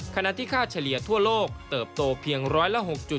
ขณะที่ค่าเฉลี่ยทั่วโลกเติบโตเพียงร้อยละ๖๐